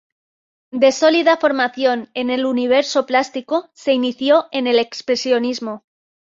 De sólida formación en el universo plástico, se inició en el expresionismo.